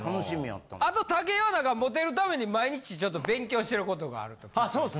あと武井は何かモテるために毎日ちょっと勉強している事があると聞いてます。